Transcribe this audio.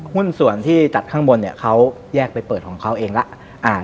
หุ้นส่วนที่จัดข้างบนเนี่ยเขาแยกไปเปิดของเขาเองแล้ว